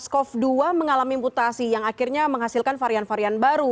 covid sembilan belas mengalami mutasi yang akhirnya menghasilkan varian varian baru